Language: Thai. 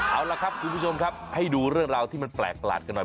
เอาล่ะครับคุณผู้ชมครับให้ดูเรื่องราวที่มันแปลกประหลาดกันหน่อย